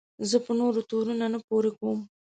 زه په نورو تورونه نه پورې کوم.